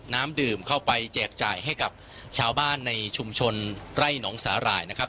น้ำดื่มเข้าไปแจกจ่ายให้กับชาวบ้านในชุมชนไร่หนองสาหร่ายนะครับ